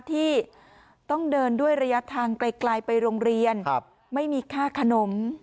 ที่ต้องเดินด้วยระยะทางไกลไปโรงเรียนไม่มีค่าขนม